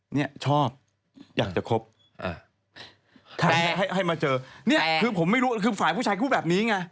เนี่ยชอบอยากจะคบให้ให้มาเจอเนี่ยคือผมไม่รู้คือฝ่ายผู้ชายพูดแบบนี้ไง